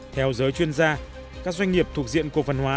theo giới chuyên gia các doanh nghiệp thuộc diện cổ phần hóa